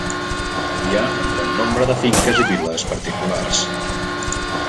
Hi ha un gran nombre de finques i vil·les particulars.